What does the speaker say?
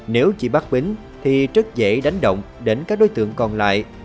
nếu chỉ bắt bính thì rất dễ đánh động đến các đối tượng còn lại